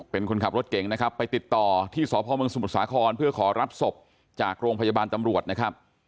เป็นคนขับรถเก่งนะครับไปติดต่อที่สพมสมุทรสาครเพื่อขอรับศพจากโรงพยาบาลตำรวจนะครับ